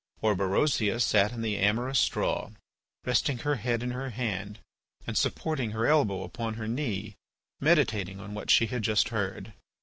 Orberosia sat in the amorous straw, resting her head in her hand and supporting her elbow upon her knee, meditating on what she had just heard.